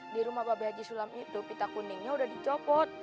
di rumah bapak b haji sulam itu pita kuningnya udah dicopot